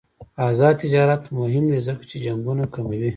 آزاد تجارت مهم دی ځکه چې جنګونه کموي.